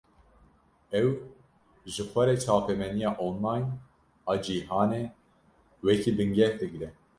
Ew, ji xwe re çapemeniya online a cîhanê, wekî bingeh digre